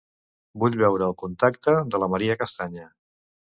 Vull veure el contacte de la Maria Castanya.